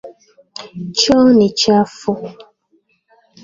Choo ni chafu.